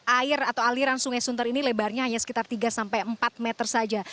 air atau aliran sungai sunter ini lebarnya hanya sekitar tiga sampai empat meter saja